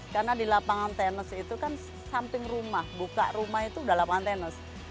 karena di lapangan tenis itu kan samping rumah buka rumah itu udah lapangan tenis